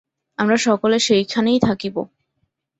আমরা সকলে সেইখানেই থাকিব।